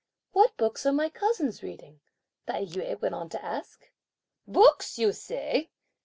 "What books are my cousins reading?" Tai yü went on to ask. "Books, you say!"